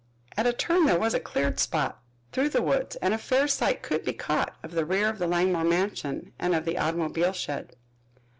At a turn there was a cleared spot through the woods and a fair sight could be caught of the rear of the Langmore mansion and of the automobile shed.